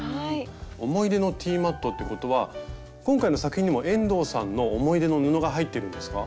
「思い出のティーマット」ってことは今回の作品にも遠藤さんの思い出の布が入ってるんですか？